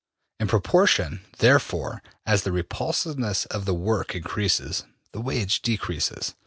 In proportion, therefore, as the repulsiveness of the work increases, the wage decreases.